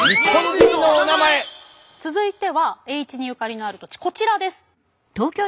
続いては栄一にゆかりのある土地こちらです。